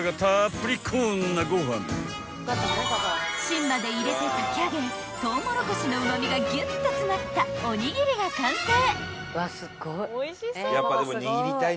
［芯まで入れて炊き上げトウモロコシのうま味がギュッと詰まったおにぎりが完成］